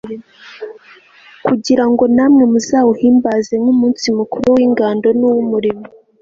kugira ngo namwe muzawuhimbaze nk'umunsi mukuru w'ingando n'uw'umuriro